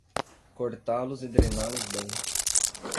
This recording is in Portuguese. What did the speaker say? Cortá-los e drená-los bem.